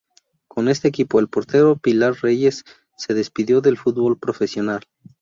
Con este equipo, el portero Pilar Reyes se despidió del fútbol profesional.